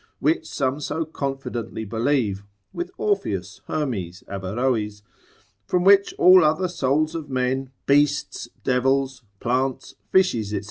which some so confidently believe, with Orpheus, Hermes, Averroes, from which all other souls of men, beasts, devils, plants, fishes, &c.